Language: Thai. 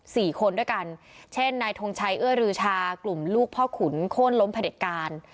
สี่คนด้วยกันเช่นนายทงชัยเอื้อรือชากลุ่มลูกพ่อขุนโค้นล้มผลิตการ